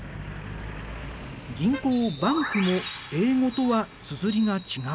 銀行バンクも英語とはつづりが違う。